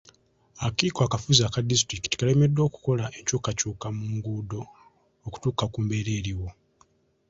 Akakiiko akafuzi aka disitulikiti kalemeddwa okukola ekyukakyuka mu nguudo okutuuka ku mbeera eriwo.